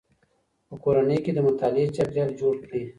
په کورنۍ کي د مطالعې چاپېريال جوړ کړئ.